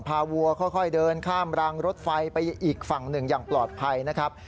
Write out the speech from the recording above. วัวค่อยเดินข้ามรางรถไฟไปอีกฝั่งหนึ่งอย่างปลอดภัยนะครับ